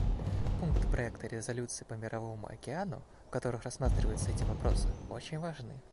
Пункты проекта резолюции по Мировому океану, в которых рассматриваются эти вопросы, очень важны.